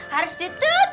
harus ditutup jus